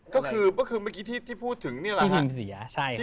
ก็คือเมื่อกี้ที่พูดถึงเนี่ยแหละครับ